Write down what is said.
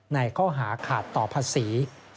ในข้อหาขาดต่อภาษี